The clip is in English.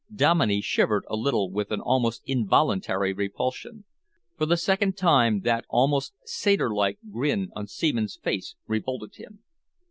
Dominey shivered a little with an almost involuntary repulsion. For the second time that almost satyr like grin on Seaman's face revolted him.